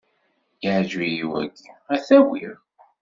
Iɛǧeb-iyi wagi. Ad t-awiɣ.